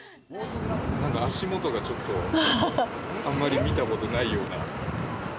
足元がちょっとあんまり見たことないような。